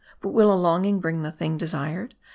But will a longing bring the thing desired